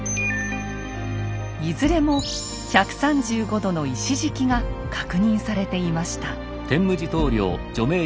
いずれも１３５度の石敷きが確認されていました。